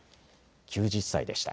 ９０歳でした。